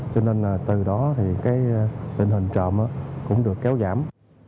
cho nên từ đó thì tình hình trộm cũng được kéo giảm